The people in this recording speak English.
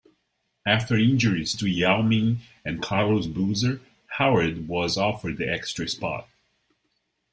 After injuries to Yao Ming and Carlos Boozer, Howard was offered the extra spot.